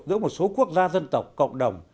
giữa một số quốc gia dân tộc cộng đồng